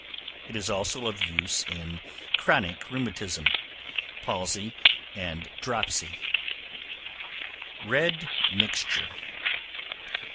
It is also of use in chronic rheumatism, palsy and dropsy. Red Mixture.